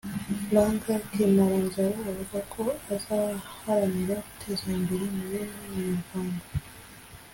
Frank ‘Kimaranzara’ avuga ko azaharanira guteza imbere imibereho y’abanyarwanda